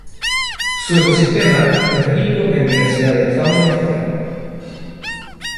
Su ecosistema es rico en diversidad de fauna y flora.